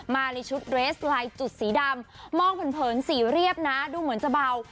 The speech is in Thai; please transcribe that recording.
มาในชุดเรสลายจุดสีดำมองเผินสีเรียบนะดูเหมือนจะเบา